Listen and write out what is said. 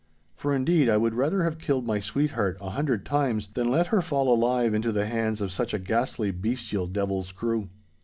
For, indeed, I would rather had killed my sweetheart a hundred times, than let her fall alive into the hands of such a ghastly, bestial devil's crew.